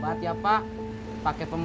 saat ini si papa tidur hukum